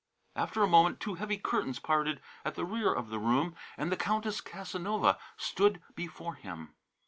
After a moment two heavy curtains parted at the rear of the room and the Countess Casanova stood before him.